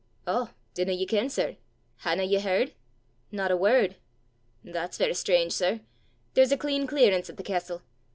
"Oh! dinna ye ken, sir? hae na ye h'ard?" "Not a word." "That's verra strange, sir! There's a clean clearance at the castel.